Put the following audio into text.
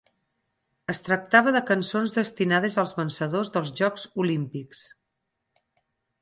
Es tractava de cançons destinades als vencedors dels jocs olímpics.